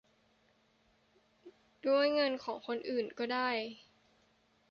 ด้วยเงินคนอื่นก็ได้